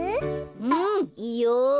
うんいいよ。